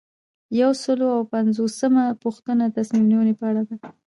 یو سل او پنځوسمه پوښتنه د تصمیم نیونې په اړه ده.